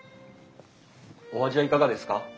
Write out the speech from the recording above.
お味はいかがですか？